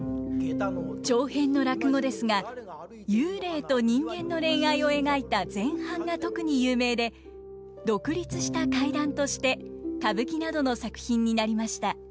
長編の落語ですが幽霊と人間の恋愛を描いた前半が特に有名で独立した怪談として歌舞伎などの作品になりました。